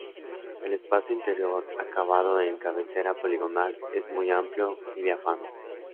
El espacio interior, acabado en cabecera poligonal, es muy amplio y diáfano.